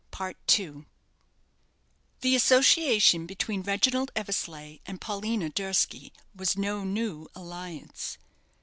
The association between Reginald Eversleigh and Paulina Durski was no new alliance.